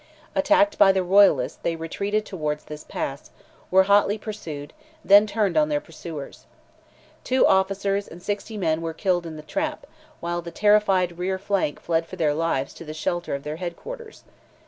Attacked by the royalists they retreated towards this pass, were hotly pursued, and then turned on their pursuers. Two officers and sixty men were killed in the trap, while the terrified rear rank fled for their lives to the shelter of their head quarters.